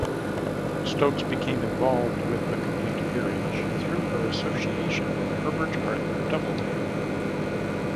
Stokes became involved with "The Complete Peerage" though her association with Herbert Arthur Doubleday.